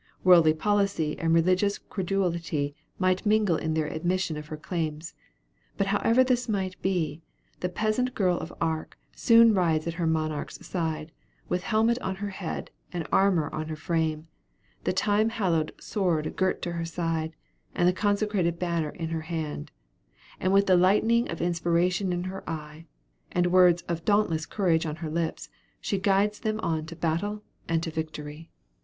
Worldly policy and religious credulity might mingle in their admission of her claims; but however this might be, the peasant girl of Arc soon rides at her monarch's side, with helmet on her head, and armor on her frame, the time hallowed sword girt to her side, and the consecrated banner in her hand; and with the lightning of inspiration in her eye, and words of dauntless courage on her lips, she guides them on to battle and to victory.